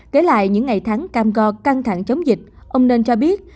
kể lại những ngày tháng cam go căng thẳng chống dịch ông nên cho biết